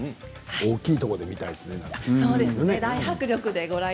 大きいところで見たいですね。